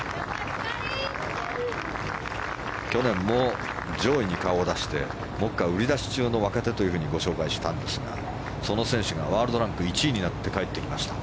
去年も上位に顔を出して目下、売り出し中の若手というふうにご紹介したんですがその選手がワールドランク１位になって帰ってきました。